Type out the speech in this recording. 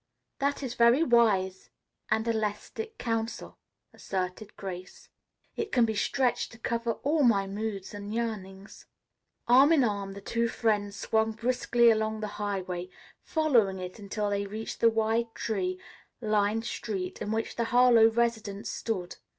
"That is very wise and elastic counsel," asserted Grace. "It can be stretched to cover all my moods and yearnings." Arm in arm, the two friends swung briskly along the highway, following it until they reached the wide tree lined street in which the Harlowe residence stood.